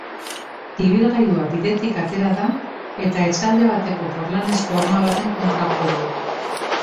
Ibilgailua bidetik atera da eta etxalde bateko porlanezko horma baten kontra jo du.